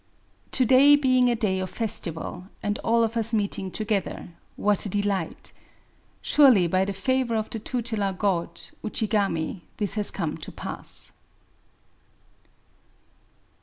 To 'day being a day of festival, and all of us meeting together^ — what a dilight ! Surely by the favour of the tutelar God [ U/igami] this has come to pass.